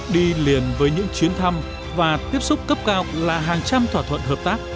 đi liền với những chuyến thăm và tiếp xúc cấp cao là hàng trăm thỏa thuận hợp tác